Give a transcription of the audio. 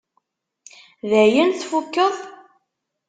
Dayen tfukkeḍ?